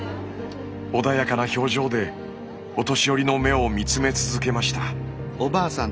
穏やかな表情でお年寄りの目を見つめ続けました。